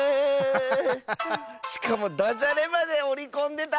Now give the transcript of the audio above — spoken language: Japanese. しかもだじゃれまでおりこんでた！